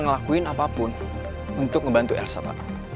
ngelakuin apapun untuk membantu elsa pak